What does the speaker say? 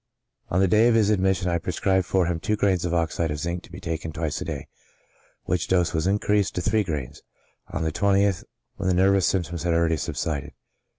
On the day of his admission I prescribed for him two grains of oxide of zinc, to be taken twice a day, which dose was increased to gr.iij on the 20th, when the nervous symptoms had al ready subsided.